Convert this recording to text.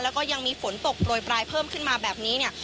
แล้วก็ยังมีฝนตกโปรยปลายเพิ่มขึ้นมาแบบนี้เนี่ย